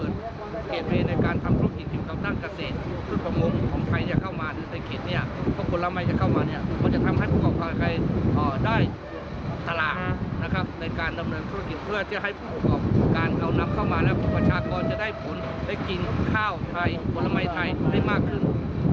และประชากรจะได้ผลให้กินข้าวไทยผลไม้ไทยให้มากขึ้น